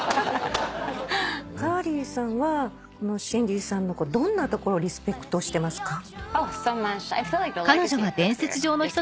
カーリーさんはシンディーさんのどんなところをリスペクトしてますか？